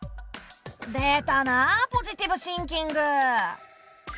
出たなポジティブシンキング。